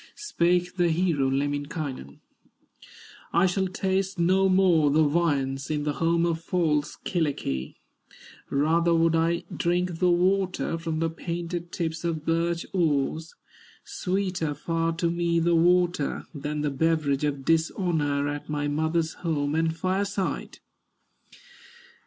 Spake the hero, Lemminkainen: "I shall taste no more the viands, In the home of false Kyllikki; Rather would I drink the water From the painted tips of birch oars; Sweeter far to me the water, Than the beverage of dishonor, At my mother's home and fireside!